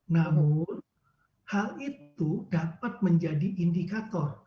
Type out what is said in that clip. namun hal itu dapat menjadi indikator